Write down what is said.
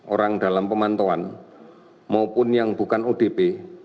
orang dalam pemantauan maupun yang bukan odp